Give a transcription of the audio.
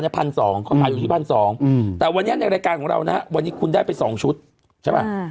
เขาเข้าไปอยู่ที่๑๒๐๐แต่วันนี้ละกาลของเราวันนี้คุณได้ไปสองชุดใช่ไหม